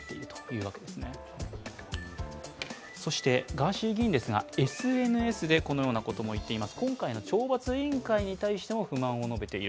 ガーシー議員ですが、ＳＮＳでこのようなことも言っています。